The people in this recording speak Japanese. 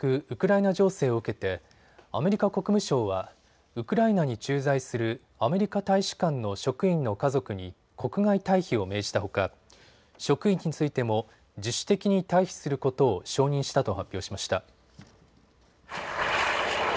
ウクライナ情勢を受けてアメリカ国務省はウクライナに駐在するアメリカ大使館の職員の家族に国外退避を命じたほか職員についても自主的に退避することを承認したと発表しました。